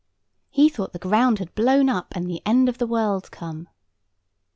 He thought the ground had blown up, and the end of the world come.